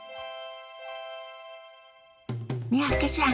三宅さん